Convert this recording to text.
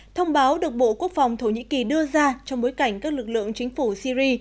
thông báo được bộ quốc phòng thổ nhĩ kỳ đưa ra trong bối cảnh các lực lượng chính phủ syri